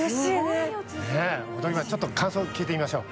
ちょっと感想聞いてみましょう。